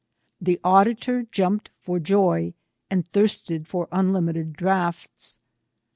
The auditor jumped for joy, and thirsted for unlimited draughts.